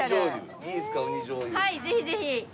はいぜひぜひ。